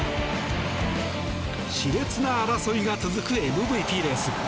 熾烈な争いが続くＭＶＰレース